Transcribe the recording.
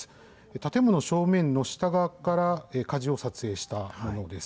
建物正面の下側から火事を撮影したものです。